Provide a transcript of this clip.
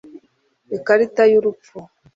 ikarita y'urupfu